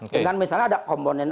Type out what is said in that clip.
dengan misalnya ada komponen